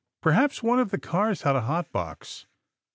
Perhaps one of the cars had a hot box.